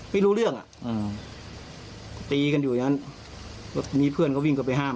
ไม่รู้เรื่องอ่ะอืมตีกันอยู่อย่างนั้นมีเพื่อนก็วิ่งเข้าไปห้าม